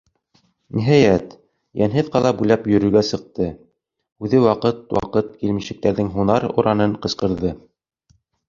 Ниһайәт, йәнһеҙ ҡала буйлап йөрөргә сыҡты, үҙе ваҡыт-ваҡыт Килмешәктәрҙең һунар Оранын ҡысҡырҙы.